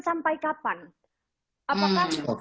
sampai kapan apakah